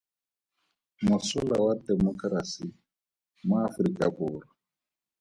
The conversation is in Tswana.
Mosola wa Temokerasi mo Aforika Borwa.